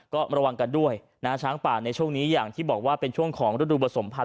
ก็ระวังกันด้วยนะช้างป่าในช่วงนี้อย่างที่บอกว่าเป็นช่วงของฤดูผสมพันธ